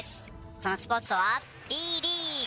そのスポーツとはＢリーグ。